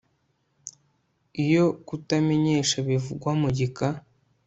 Iyo kutamenyesha bivugwa mu gika